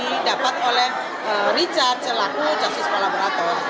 ini juga bisa di dapat oleh richard jelaku caksus kolaborator